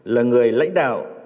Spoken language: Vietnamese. là người lãnh đạo